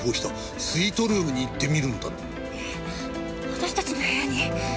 私たちの部屋に？